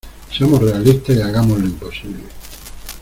Seamos realistas y hagamos lo imposible.